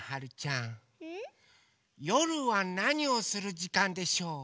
よるはなにをするじかんでしょう？